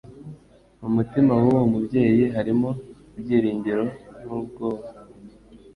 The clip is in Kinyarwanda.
Mu mutima w'uwo mubyeyi harimo ibyiringiro n'ubwoba.